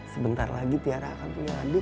sebentar lagi tiara akan punya adik